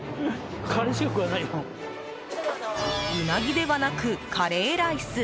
ウナギではなく、カレーライス。